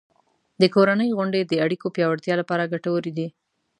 د کورنۍ غونډې د اړیکو پیاوړتیا لپاره ګټورې دي.